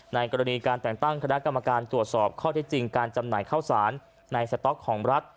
ในกรณีการแต่งตั้งคณะกรรมการตรวจสอบข้อที่จริงการจำหน่ายข้าวสารในสต๊อกของรัฐ